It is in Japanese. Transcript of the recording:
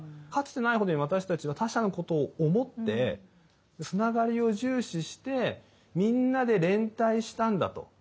かつてないほどに私たちは他者のことを思ってつながりを重視してみんなで連帯したんだと。